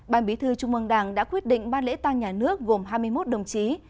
ban bí thư trung mương đảng đã quyết định ban lễ tang nhà nước gồm hai mươi một đồng chí